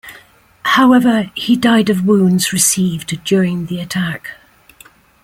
However, he died of wounds received during the attack.